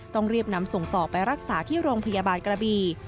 ต้องรีบนำส่งต่อไปรักษาที่โรงพยาบาลกระบี